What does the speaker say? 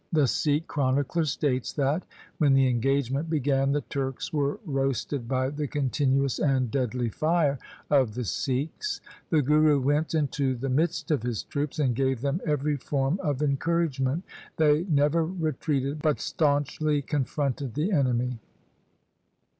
The Sikh chronicler states that, when the engagement began, the Turks were roasted by the continuous and deadly fire of the Sikhs. The Guru went into the midst of his troops and gave them every form of encouragement. They never retreated, but staunchly confronted the enemy.